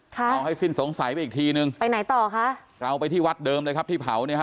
ขอให้สิ้นสงสัยไปอีกทีนึงไปไหนต่อคะเราไปที่วัดเดิมเลยครับที่เผาเนี่ยฮ